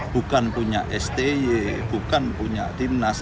bukan punya sti bukan punya timnas